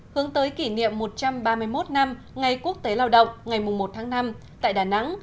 hướng tới kỷ niệm một trăm ba mươi một năm ngày quốc tế lao động ngày một tháng năm tại đà nẵng